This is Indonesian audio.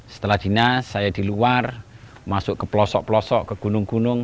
setelah dinas saya di luar masuk ke pelosok pelosok ke gunung gunung